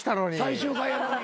最終回やのに。